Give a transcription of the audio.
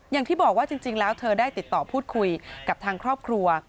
อย่างที่บอกว่าจริงแล้วเธอได้ติดต่อพูดคุยกับทางครอบครัว